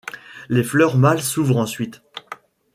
Les fleurs mâles s’ouvrent ensuite.